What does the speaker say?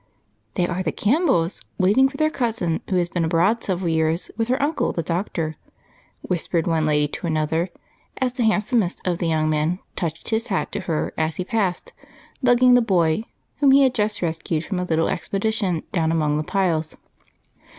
"They are the Campbells, waiting for their cousin, who has been abroad several years with her uncle, the doctor," whispered one lady to another as the handsomest of the young men touched his hat to her as he passed, lugging the boy, whom he had just rescued from a little expedition down among the piles.